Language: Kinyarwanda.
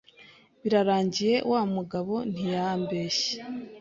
birarangiye wa mugabo ntiyambeshye